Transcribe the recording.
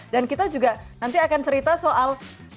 dan kita juga nanti akan cerita soal